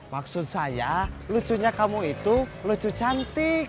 maksud saya lucunya kamu itu lucu cantik